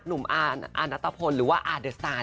หนุ่มอาร์อานัตภพลหรือว่าอาร์เดอร์สตาน